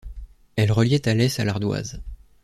Elle reliait Alès à l'Ardoise.